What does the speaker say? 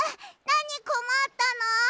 なにこまったの？